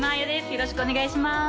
よろしくお願いします